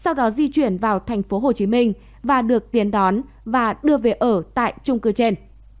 sau đó di chuyển vào thành phố hồ chí minh và được tiến đón và đưa về ở tại trung cư trên